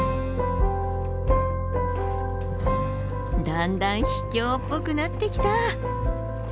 だんだん秘境っぽくなってきた。